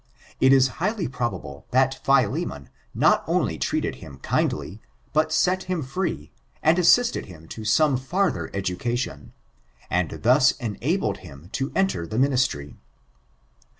It is highly probable, that Philemon not only treated him kindly, but set him free, and assisted him to some ferther education, and thus enabled him to enter the ministry.